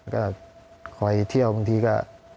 ก็คอยเที่ยวบางทีก็